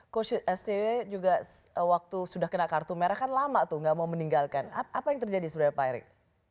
coach scw juga waktu sudah kena kartu merah kan lama tuh gak mau meninggalkan apa yang terjadi sebenarnya pak erick